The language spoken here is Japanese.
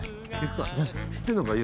知ってんのか？